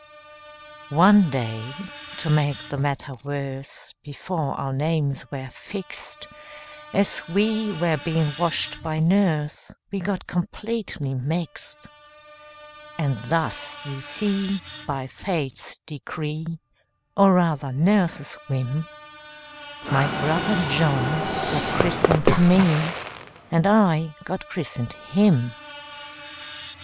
One day, to make the matter worse, Before our names were fixed, As we were being washed by nurse, We got completely mixed; And thus, you see, by fate's decree, Or rather nurse's whim, My brother John got christened me, And I got christened him.